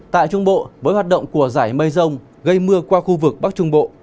tại trung bộ với hoạt động của giải mây rông gây mưa qua khu vực bắc trung bộ